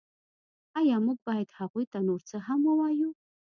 ایا موږ باید هغوی ته نور څه هم ووایو